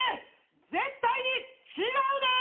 絶対に違うで！